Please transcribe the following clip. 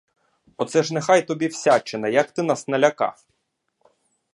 Оце ж нехай тобі всячина, як ти нас налякав.